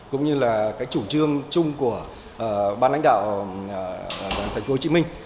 cũng như là cái chủ trương chung của ban lãnh đạo tp hcm